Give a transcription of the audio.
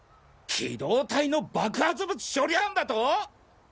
機動隊の爆発物処理班だとォ！？